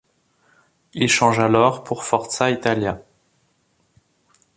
Il change alors pour Forza Italia.